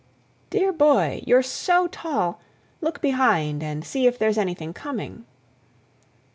"Dear boy—you're so tall... look behind and see if there's anything coming..."